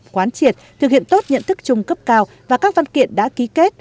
quán triệt thực hiện tốt nhận thức chung cấp cao và các văn kiện đã ký kết